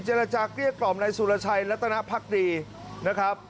ราจาเกลี้ยกล่อมในสุรชัยรัตนภักดีนะครับ